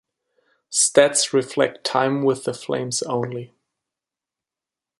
Stats reflect time with the Flames only.